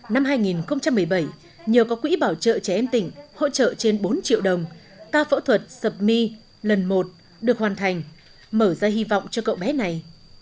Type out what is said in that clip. năm hai nghìn một mươi bảy nhờ có quỹ bảo trợ trẻ em tỉnh hỗ trợ trên bốn triệu đồng ca phẫu thuật sập my lần một được hoàn thành mở ra hy vọng cho cậu bé này